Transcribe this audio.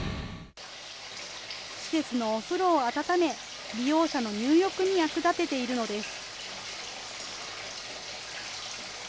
施設のお風呂を温め、利用者の入浴に役立てているのです。